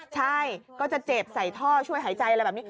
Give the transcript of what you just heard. ใช่ก็จะเจ็บใส่ท่อช่วยหายใจอะไรแบบนี้